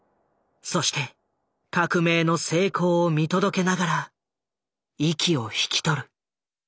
そして革命の成功を見届けながら息を引き取る。